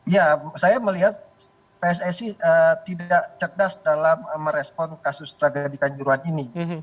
ya saya melihat pssi tidak cerdas dalam merespon kasus tragedi kanjuruhan ini